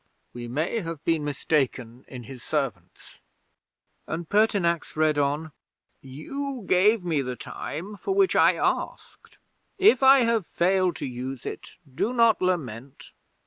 We may have been mistaken in his servants!" 'And Pertinax read on: "_You gave me the time for which I asked. If I have failed to use it, do not lament.